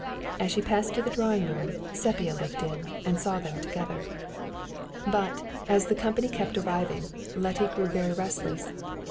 As she passed to the drawing room, Sepia looked in, and saw them together. But, as the company kept arriving, Letty grew very restless.